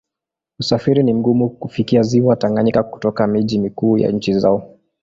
Usafiri ni mgumu kufikia Ziwa Tanganyika kutoka miji mikuu ya nchi zao.